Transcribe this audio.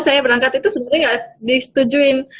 saya berangkat itu sebenernya gak disetujuin